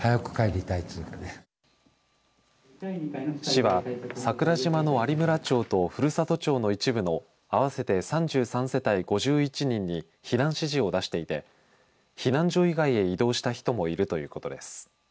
市は桜島の有村町と古里町の一部の合わせて３３世帯５１人に避難指示を出していて避難所以外へ移動した人もいるということです。